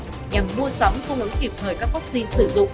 nhằm mua sắm không ứng kịp hời các vắc xin sử dụng